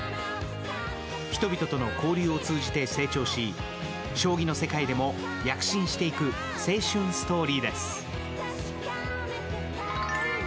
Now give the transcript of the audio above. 人々との交流を通じて成長し将棋の世界でも躍進していく青春ストーリーです。